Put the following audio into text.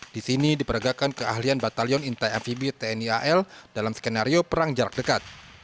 di sini diperagakan keahlian batalion intai amfibi tni al dalam skenario perang jarak dekat